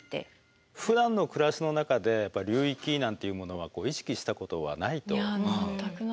ふだんの暮らしの中でやっぱり流域なんていうものは意識したことはないと思います。